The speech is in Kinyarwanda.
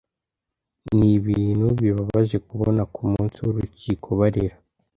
Niibintu bibabaje kubona, ku munsi w'urukiko barira